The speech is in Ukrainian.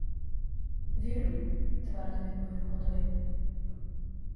— Вірую, — твердо відповів Годой.